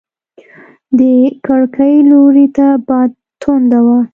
د کړکۍ لوري ته باد تونده و.